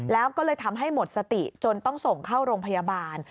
แล้วก็เลยทำให้หมดสติจนต้องส่งเข้าโรงพยาบาล